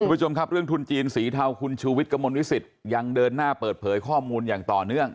คุณผู้ชมครับเรื่องทุนจีนสีเทาคุณชูวิทย์กระมวลวิสิตยังเดินหน้าเปิดเผยข้อมูลอย่างต่อเนื่อง